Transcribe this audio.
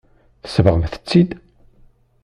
Tsebɣemt-tt-id.